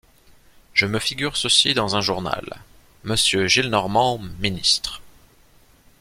Je me figure ceci dans un journal: Monsieur Gillenormand, ministre!